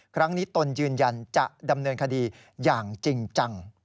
ตนยืนยันจะดำเนินคดีอย่างจริงจัง